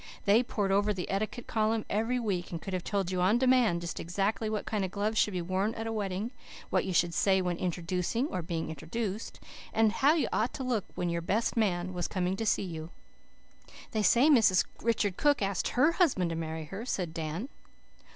They pored over the "etiquette column" every week, and could have told you on demand, just exactly what kind of gloves should be worn at a wedding, what you should say when introducing or being introduced, and how you ought to look when your best young man came to see you. "They say Mrs. Richard Cook asked HER husband to marry her," said Dan.